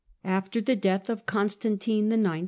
After the death of Constantine IX.